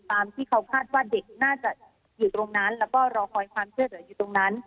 ที่เขาคาดว่าเด็กน่าจะอยู่ตรงนั้นแล้วก็รอคอยความช่วยเหลืออยู่ตรงนั้น